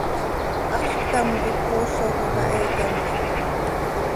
¡Haxz ctam cop poozoj oo ta, he camjc!